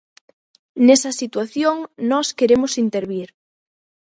Nesa situación nós queremos intervir.